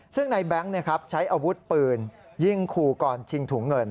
ซึ่งในแบงค์ใช้อาวุธปืนยิงขู่ก่อนชิงถุงเงิน